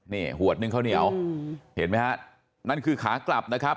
นี่หวดนึงข้าวเหนียวเห็นไหมฮะนั่นคือขากลับนะครับ